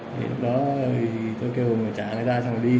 thì lúc đó thì tôi kêu ông trả người ra xong đi